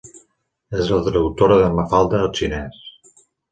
És la traductora de Mafalda al xinès.